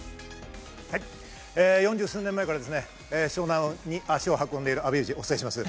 ４０数年前から湘南に足を運んでいる阿部がお伝えします。